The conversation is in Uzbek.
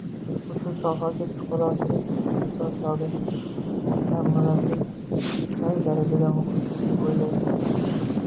Ushbu sohaga chuqurroq kirish uchun ustoz-shogirdlik, yana murabbiy qay darajada muhim deb oʻylaysiz?